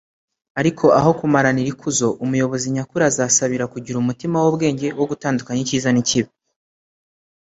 ariko aho kumaranira ikuzo, umuyobozi nyakuri azasabira kugira umutima w’ubwenge wo gutandukanya icyiza n’ikibi.